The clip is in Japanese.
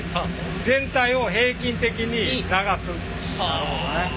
なるほどね。